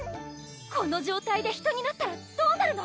この状態で人になったらどうなるの？